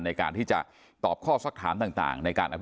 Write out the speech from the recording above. ในการที่จะตอบข้อสักท